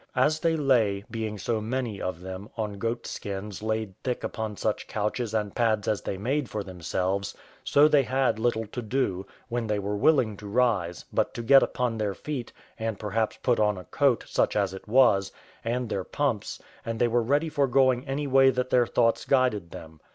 As they lay, being so many of them, on goat skins laid thick upon such couches and pads as they made for themselves, so they had little to do, when they were willing to rise, but to get upon their feet, and perhaps put on a coat, such as it was, and their pumps, and they were ready for going any way that their thoughts guided them.